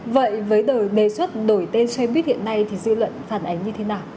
vậy với đề xuất đổi tên xoay bít hiện nay thì dư luận phản ánh như thế nào